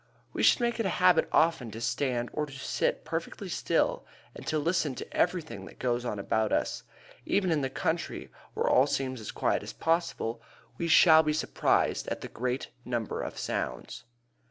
We should make it a habit often to stand or to sit perfectly still and to listen to everything that goes on about us. Even in the country, where all seems as quiet as possible, we shall be surprised at the great number of sounds.